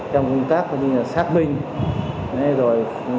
trong công tác xác minh